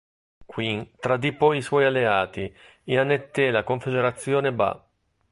Qin tradì poi i suoi alleati e annetté la confederazione Ba.